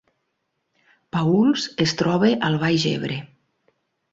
Paüls es troba al Baix Ebre